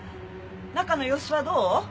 中の様子はどう？